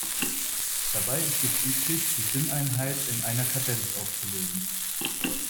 Dabei ist es üblich, die Sinneinheit in einer Kadenz aufzulösen.